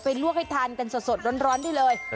ลวกให้ทานกันสดร้อนได้เลย